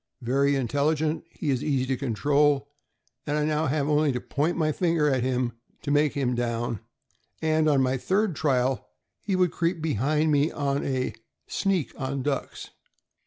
Very intelli gent, he is easy to control, and I now have only to point my finger at him to make him down; and on my third trial he would creep behind me on a ' sneak' on ducks."